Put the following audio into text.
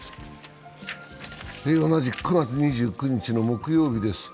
同じく９月２９日の木曜日です